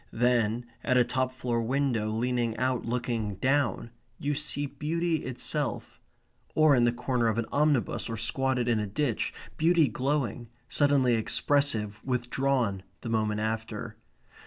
Then, at a top floor window, leaning out, looking down, you see beauty itself; or in the corner of an omnibus; or squatted in a ditch beauty glowing, suddenly expressive, withdrawn the moment after.